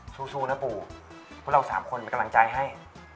สู้นะปู่พวกเราสามคนเป็นกำลังใจให้